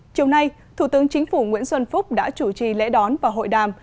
chiều nay thủ tướng chính phủ nguyễn xuân phúc đã chủ trì lễ đón và hội đàm